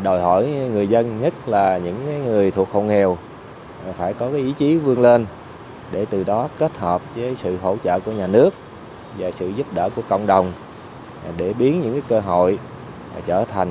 đòi hỏi người dân nhất là những người thuộc hộ nghèo phải có ý chí vươn lên để từ đó kết hợp với sự hỗ trợ của nhà nước và sự giúp đỡ của cộng đồng để biến những cơ hội trở thành những kết quả giảm nghèo cụ thể của từng hộ gia đình